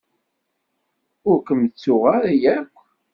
Ur kem-ttuɣ ara akk.